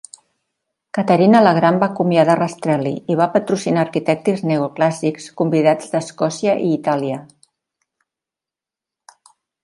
Caterina la Gran va acomiadar Rastrelli i va patrocinar arquitectes neoclàssics convidats d'Escòcia i Itàlia.